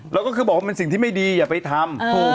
แล้วก็คือบอกว่าเป็นสิ่งที่ไม่ดีอย่าไปทำ